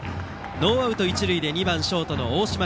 ノーアウト、一塁で打席は２番ショート、大島。